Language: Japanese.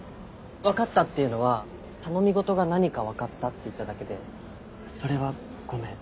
分かったっていうのは頼みごとが何か分かったって言っただけでそれはごめん。